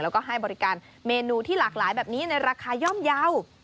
แล้วก็ให้บริการเมนูที่หลากหลายแบบนี้ในราคาย่อมเยาว์